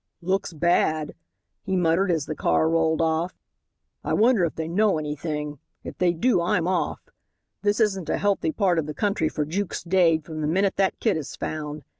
"Looks bad," he muttered as the car rolled off; "I wonder if they know anything. If they do, I'm off. This isn't a healthy part of the country for Jukes Dade from the minute that kid is found.